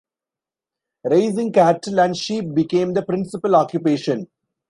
Raising cattle and sheep became the principal occupation.